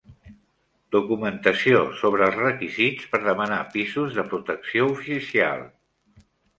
Documentació sobre els requisits per demanar pisos de protecció oficial.